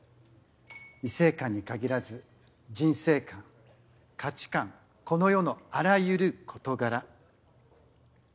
異性観に限らず人生観価値観この世のあらゆる事柄